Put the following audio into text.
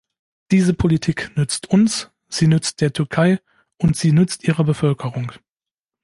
Diese Politik nützt uns, sie nützt der Türkei, und sie nützt ihrer Bevölkerung.